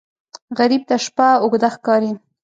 غریب ته شپه اوږده ښکاري